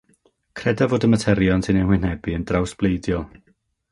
Credaf fod y materion sy'n ein hwynebu yn drawsbleidiol.